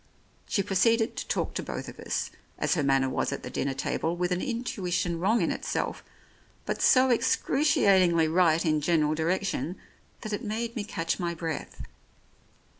She proceeded to talk to both of us, as her manner was at the dinner table, with an intuition wrong in itself, but so ex cruciatingly right in general direction that it made me catch my breath.